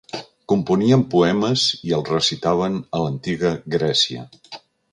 Componien poemes i els recitaven a l'antiga Grècia.